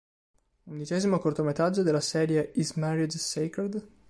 Undicesimo cortometraggio della serie "Is Marriage Sacred?".